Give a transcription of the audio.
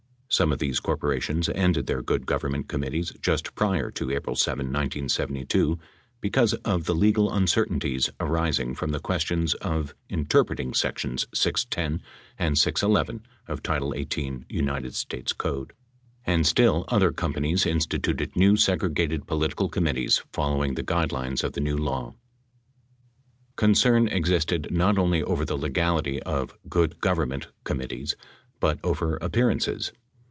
Some of these corporations ended their good government committees just prior to April 7, 1972, because of the legal uncertainties arising from the questions of inter preting sections 610 and 611 of title 18, United States Code. And, still other companies instituted new segregated political committees fol lowing the guidelines of the new law. Concern existed not only over the legality of "good government" committees, but over appearances.